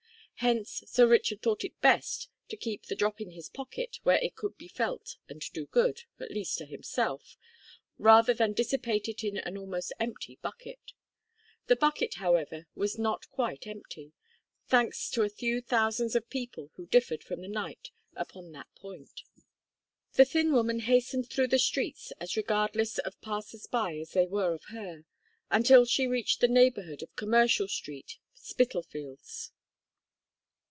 Hence Sir Richard thought it best to keep the drop in his pocket where it could be felt and do good at least to himself, rather than dissipate it in an almost empty bucket. The bucket, however, was not quite empty thanks to a few thousands of people who differed from the knight upon that point. The thin woman hastened through the streets as regardless of passers by as they were of her, until she reached the neighbourhood of Commercial Street, Spitalfields.